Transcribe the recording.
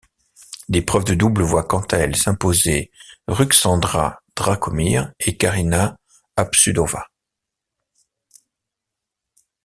L'épreuve de double voit quant à elle s'imposer Ruxandra Dragomir et Karina Habšudová.